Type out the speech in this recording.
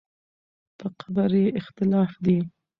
په قبر یې اختلاف دی.